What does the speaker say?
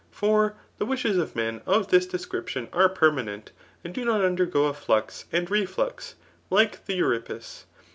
For the w]3hes of men of this description are pei*manent, and do not undergo a flux and reflux, like the Euripus.